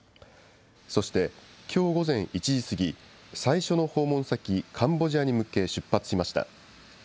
そして、きょう午前１時過ぎ、最初の訪問先、カンボジアに向け、出発しました。